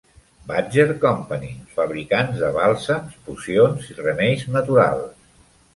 Badger Company, fabricants de bàlsams, pocions i remeis naturals.